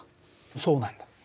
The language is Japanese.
そうなんだ。